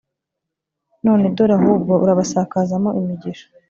none dore ahubwo urabasakazamo imigisha.